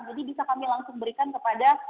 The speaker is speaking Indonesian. jadi bisa kami langsung berikan kepada anak anak kita